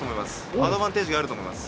アドバンテージがあると思います。